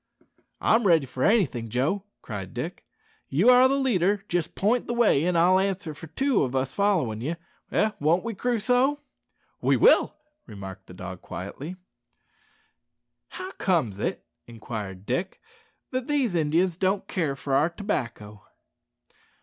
"I'm ready for anything, Joe," cried Dick; "you are leader. Just point the way, and I'll answer for two o' us followin' ye eh! won't we, Crusoe?" "We will," remarked the dog quietly. "How comes it," inquired Dick, "that these Indians don't care for our tobacco?"